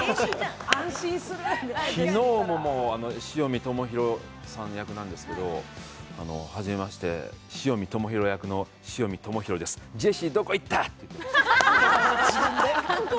昨日も潮見知広さん役なんですけど、はじめまして、潮見知広役の潮見知広です、ジェシーどこ行った？って言ってました。